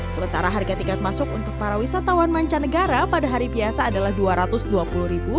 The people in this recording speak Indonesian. sementara harga tiket masuk untuk para wisatawan mancanegara pada hari biasa adalah rp dua ratus dua puluh